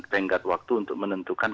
tengkat waktu untuk menentukan